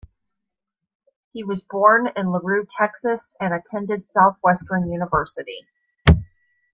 He was born in LaRue, Texas and attended Southwestern University.